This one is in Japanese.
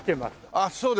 あっそうです。